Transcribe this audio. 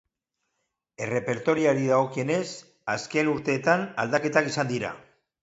Errepertorioari dagokionez, azken urteetan aldaketak izan dira.